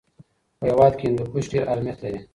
په هېواد کې هندوکش ډېر اهمیت لري.